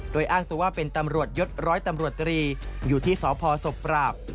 โดยอ้างตัวว่าเป็นตำรวจยศร้อยตำรวจตรีอยู่ที่สพศพปราบ